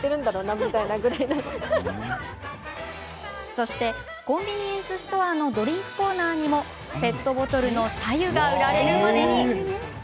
そして、コンビニエンスストアのドリンクコーナーにもペットボトルの白湯が売られるまでに。